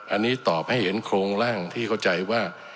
อันนี้ตอบให้เห็นโครงร่างที่เข้าใจว่า